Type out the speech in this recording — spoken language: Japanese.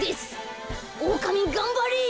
オオカミがんばれ。